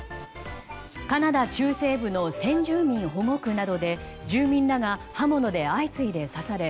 カナダ中西部の先住民保護区などで住民らが刃物で相次いで刺され